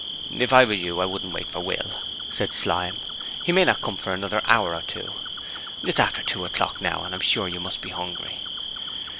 'If I was you, I wouldn't wait for Will,' said Slyme, 'he may not come for another hour or two. It's after two o'clock now, and I'm sure you must be hungry.'